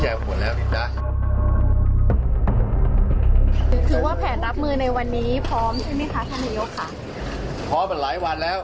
ขออนุมัติขออนุมัติขออนุมัติ